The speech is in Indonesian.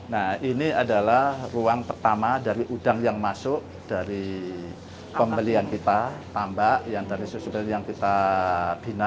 nah ini adalah ruang pertama dari udang yang masuk dari pembelian kita tambak yang dari susunan yang kita bina